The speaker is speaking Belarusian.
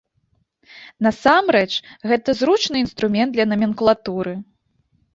Насамрэч, гэта зручны інструмент для наменклатуры.